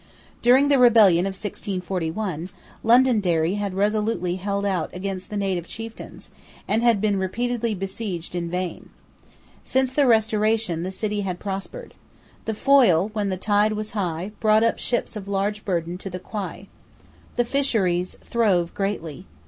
During the rebellion of 1641, Londonderry had resolutely held out against the native chieftains, and had been repeatedly besieged in vain, Since the Restoration the city had prospered. The Foyle, when the tide was high, brought up ships of large burden to the quay. The fisheries throve greatly.